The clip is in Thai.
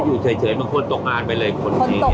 อยู่เฉยมันควรตกงานไปเลยคนที่นี่